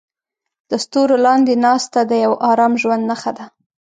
د ستورو لاندې ناسته د یو ارام ژوند نښه ده.